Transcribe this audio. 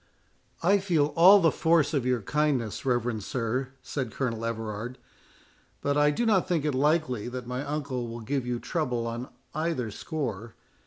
"I feel all the force of your kindness, reverend sir," said Colonel Everard, "but I do not think it likely that my uncle will give you trouble on either score.